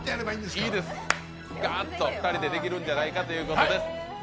ガーッと二人でできるんじゃないかということです。